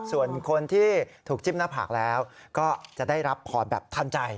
ส่วนคนที่ถูกจิ้มหน้าผากแล้วก็จะได้รับพรแบบทันใจ